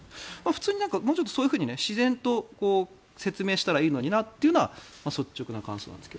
普通に、もうちょっとそういうふうに自然と説明したらいいのになというのが率直な感想です。